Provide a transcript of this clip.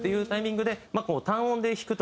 っていうタイミングで単音で弾くと。